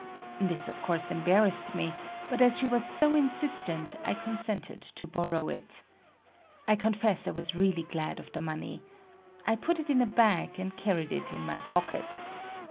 This, of course, embarrassed me, but as she was so insistent I consented to borrow it. I confess I was really glad of the money. I put it in a bag, and carried it in my pocket.